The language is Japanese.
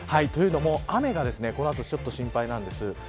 というのも、雨がこの後ちょっと心配なんです。